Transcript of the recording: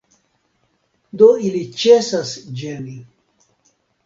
Do ili ĉesas ĝeni.